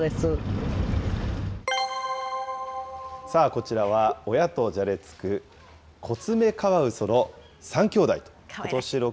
こちらは、親とじゃれつくコツメカワウソの３兄弟。